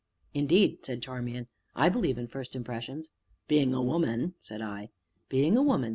"Indeed," said Charmian, "I believe in first impressions." "Being a woman," said I. "Being a woman!"